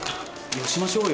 よしましょうよ。